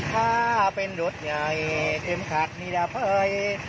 ถ้าเป็นรถใหญ่เถมขัดมิจพิรามัน